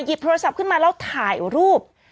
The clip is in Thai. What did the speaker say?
โทรศัพท์ขึ้นมาแล้วถ่ายรูป